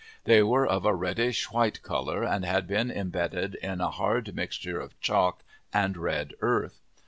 They were of a reddish white colour and had been embedded in a hard mixture of chalk and red earth.